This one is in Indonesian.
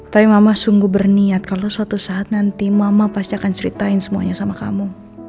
tapi mama sungguh berniat kalau suatu saat nanti mama pasti akan ceritain semuanya sama kamu